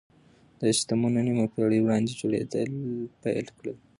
دا سيستمونه نيمه پېړۍ وړاندې جوړېدل پيل کړل.